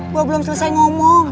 gua belum selesai ngomong